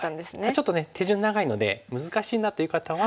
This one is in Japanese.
ちょっとね手順長いので難しいなという方は。